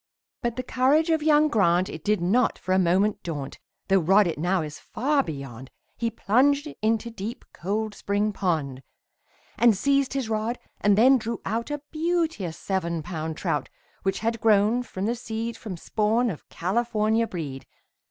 But the courage of young Grant, It did not for a moment daunt, Though rod it now is far beyond, He plunged into deep, cold spring pond. And seized his rod and then drew out A beauteous seven pound trout, Which had grown from the seed From spawn of California breed.